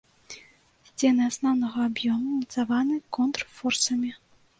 Сцены асноўнага аб'ёму ўмацаваны контрфорсамі.